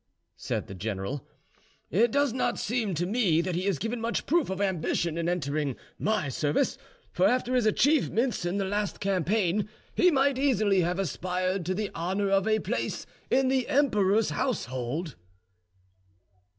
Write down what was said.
said the general. "It does not seem to me that he has given much proof of ambition in entering my service; for after his achievements in the last campaign he might easily have aspired to the honour of a place in the emperor's household."